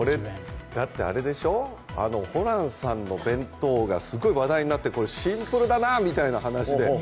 これ、ホランさんの弁当がすごい話題になってシンプルだな、みたいな話で。